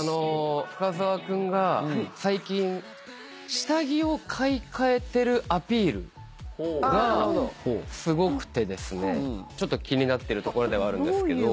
深澤君が最近下着を買い替えてるアピールがすごくてですねちょっと気になってるところではあるんですけど。